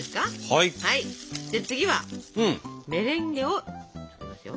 はい次はメレンゲを作りますよ。